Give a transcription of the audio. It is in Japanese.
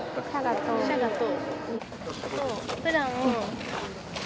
シャガと。